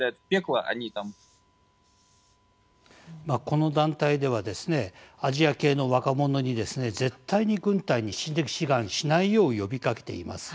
この団体では、アジア系の若者に絶対に軍隊に志願しないよう呼びかけています。